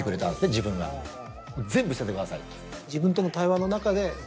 自分が「全部捨ててください」。